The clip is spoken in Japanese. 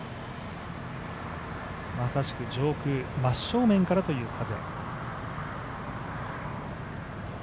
まさしく上空、真っ正面からという風。